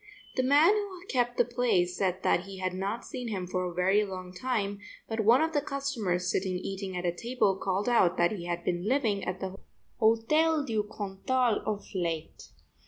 The man who kept the place said that he had not seen him for a very long time, but one of the customers sitting eating at a table called out that he had been living at the Hotel du Cantal of late.